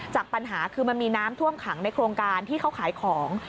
จากปัญหาคือมันมีน้ำท่วมขังในโครงการที่เขาขายของ